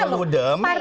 partai politik sebagai